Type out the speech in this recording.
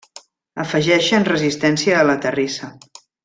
Afegeixen resistència a la terrissa.